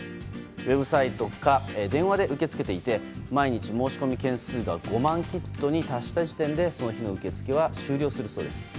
ウェブサイトか電話で受け付けていて毎日、申込件数が５万キットに達した時点でその日の受け付けは終了するそうです。